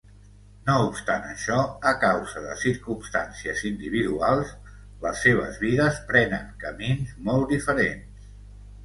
No obstant això, a causa de circumstàncies individuals, les seves vides prenen camins molt diferents.